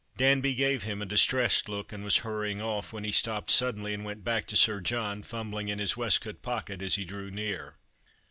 Danby gave him a distressed look, and was hurrying off, when he stopped suddenly and went back to Sir John, fumbling in his waistcoat pocket as he drew near.